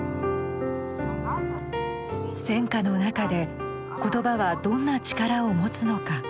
戦禍の中で言葉はどんな力を持つのか。